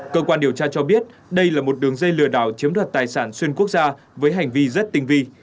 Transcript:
cơ quan điều tra cho biết đây là một đường dây lừa đảo chiếm đoạt tài sản xuyên quốc gia với hành vi rất tinh vi